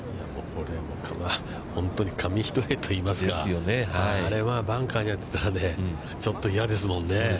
これは本当に紙一重といいますか、あれはバンカーに入ってたら、ちょっと嫌ですもんね。